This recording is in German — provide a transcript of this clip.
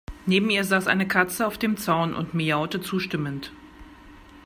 Neben ihr saß eine Katze auf dem Zaun und miaute zustimmend.